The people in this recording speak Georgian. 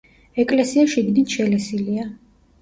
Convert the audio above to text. ეკლესია შიგნით შელესილია.